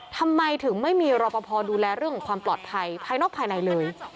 ทำไมถึงไม่มีรอปภดูแลเรื่องของความปลอดภัยภายนอกภายในเลย